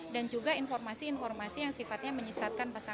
dan juga informasi informasi yang sifatnya menyesatkan pada pihak